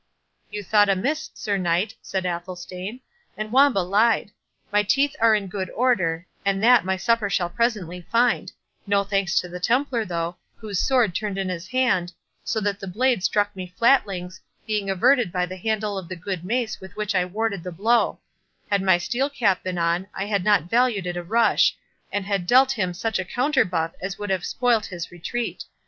"You thought amiss, Sir Knight," said Athelstane, "and Wamba lied. My teeth are in good order, and that my supper shall presently find—No thanks to the Templar though, whose sword turned in his hand, so that the blade struck me flatlings, being averted by the handle of the good mace with which I warded the blow; had my steel cap been on, I had not valued it a rush, and had dealt him such a counter buff as would have spoilt his retreat.